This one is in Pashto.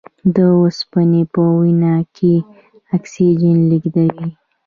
د اوسپنې په وینه کې اکسیجن لېږدوي.